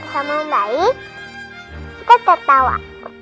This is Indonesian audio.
sama baik kita tertawa